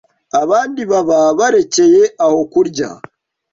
Abandi baba barekeye aho kurya